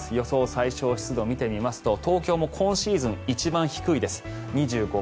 最小湿度を見てみますと東京も今シーズン一番低いです。